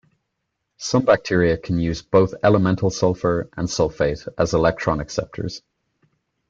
Some bacteria can use both elemental sulfur and sulfate as electron acceptors.